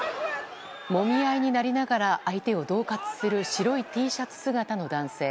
もみ合いになりながら、相手をどう喝する白いＴシャツ姿の男性。